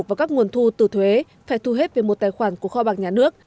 và các nguồn thu từ thuế phải thu hết về một tài khoản của kho bạc nhà nước